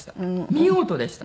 見事でした。